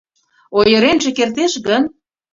Ойыренже кертеш гын?